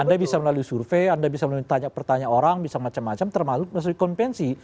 anda bisa mencoba di tv anda bisa bertanya pertanya orang bisa macam macam termasuk konvensi